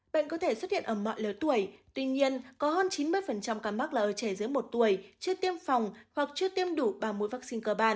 bệnh có thể xuất hiện ở mọi lứa tuổi tuy nhiên có hơn chín mươi ca mắc là ở trẻ dưới một tuổi chưa tiêm phòng hoặc chưa tiêm đủ ba mũi vaccine cơ bản